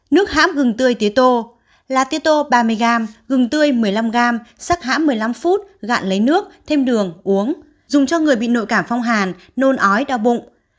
nước hãm gừng tươi tía tô lá tía tô ba mươi g gừng tươi một mươi năm g sắc hãm một mươi năm phút gạn lấy nước thêm đường uống dùng cho người bị nội cảm phong hàn nôn ói đau bụng